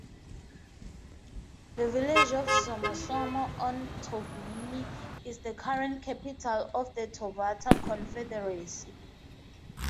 The village of Somosomo on Taveuni is the current capital of the Tovata Confederacy.